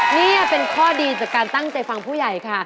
นี่เป็นข้อดีจากการตั้งใจฟังผู้ใหญ่ค่ะ